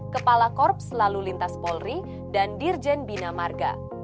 kepala korps lalu lintas polri dan dirjen bina marga